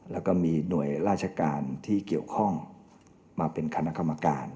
แล้วก็มีหน่วยราชการที่เกี่ยวข้องมาเป็นคณะกรรมการ